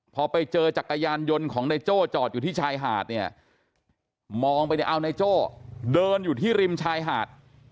พอไปเจอจักรยานยนต์ของนายโจ้จอดอยู่ที่ชายหาดเนี่ยมองไปเนี่ยเอานายโจ้เดินอยู่ที่ริมชายหาด